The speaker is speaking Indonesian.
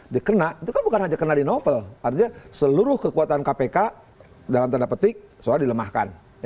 dia kena itu kan bukan saja kena di novel artinya seluruh kekuatan kpk dalam tanda petik soalnya dilemahkan